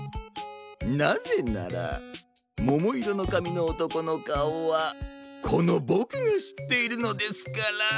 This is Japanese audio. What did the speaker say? なぜならももいろのかみのおとこのかおはこのボクがしっているのですから。